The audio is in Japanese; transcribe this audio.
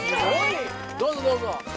どうぞどうぞ。